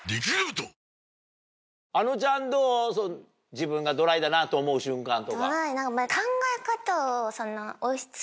自分がドライだなと思う瞬間とか。